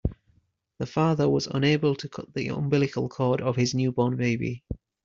The father was unable to cut the umbilical cord of his newborn baby.